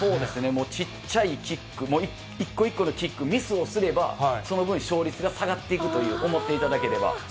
もうちっちゃいキックも、一個一個のキック、ミスをすれば、その分勝率が下がっていくと思っていただければ。